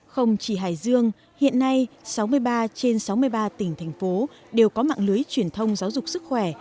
không chỉ hải dương hiện nay sáu mươi ba trên sáu mươi ba tỉnh thành phố đều có mạng lưới truyền thông giáo dục sức khỏe